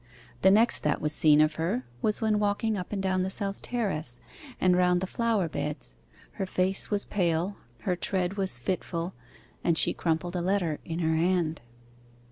The next that was seen of her was when walking up and down the south terrace, and round the flower beds; her face was pale, and her tread was fitful, and she crumpled a letter in her hand.